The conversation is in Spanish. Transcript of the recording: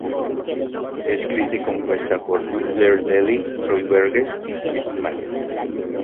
Escrita y compuesta por Blair Daly, Troy Verges y Steve Mac.